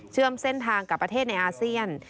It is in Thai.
เส้นทางกับประเทศในอาเซียน